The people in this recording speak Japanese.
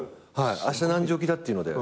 あした何時起きだっていうので。